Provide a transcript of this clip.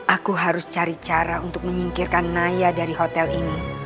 aku harus cari cara untuk menyingkirkan naya dari hotel ini